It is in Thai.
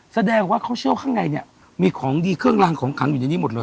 แสดงว่าเขาเชื่อว่าข้างในเนี่ยมีของดีเครื่องรางของขังอยู่ในนี้หมดเลย